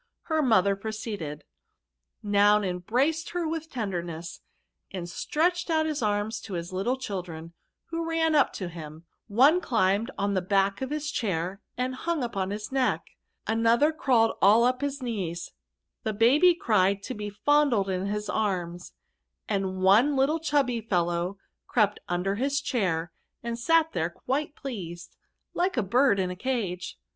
Her mother proceeded. '* Noun em braced her with tenderness, and stretched out his arms to his little children^ who ran up to him ; one climbed on the back of his chair and hung upon his neck, another crawled all up his knees ; the baby cried to be fondled in his arms ; and one little chubby fellow crept under his chair and sat there quite pleased, like a bird in a cage."